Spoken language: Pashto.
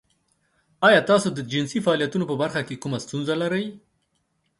ایا تاسو د جنسي فعالیت په برخه کې کومه ستونزه لرئ؟